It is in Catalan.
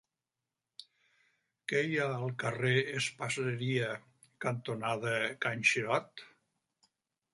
Què hi ha al carrer Espaseria cantonada Can Xirot?